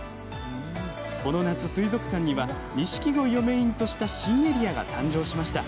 この夏、水族館にはニシキゴイをメインとした新エリアが誕生しました。